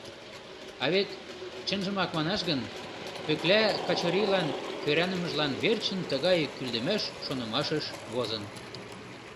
А вет чынжымак манаш гын, Пӧкла Качырийлан кӧранымыжлан верчын тыгай кӱлдымаш шонымашыш возын.